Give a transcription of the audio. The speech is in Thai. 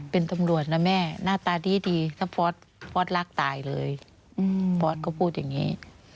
เป็นตำรวจนะแม่หน้าตาดีถ้าฟอร์สรักตายเลยฟอร์สก็พูดอย่างนี้